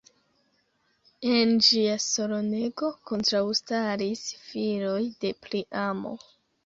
En ĝia salonego kontraŭstaris filoj de Priamo.